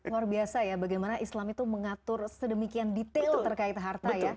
luar biasa ya bagaimana islam itu mengatur sedemikian detail terkait harta ya